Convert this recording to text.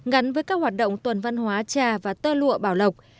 gắn với các hoạt động tuần văn hóa trà và tơ lụa bảo lộc